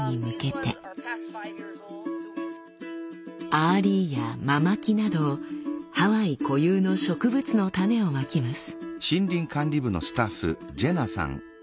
アアリイやママキなどハワイ固有の植物の種をまきます。